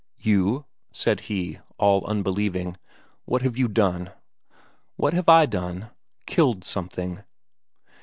"You?" said he, all unbelieving. "What have you done?" "What have I done? Killed something."